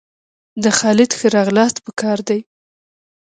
د خالد ښه راغلاست په کار دئ!